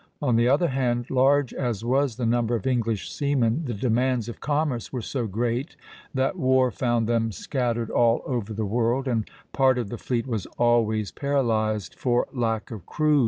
On the other hand, large as was the number of English seamen, the demands of commerce were so great that war found them scattered all over the world, and part of the fleet was always paralyzed for lack of crews.